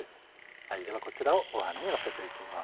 ではこちらをご飯にのせていきます。